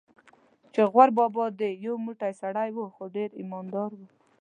چې غور بابا دې یو موټی سړی و، خو ډېر ایمان دار و.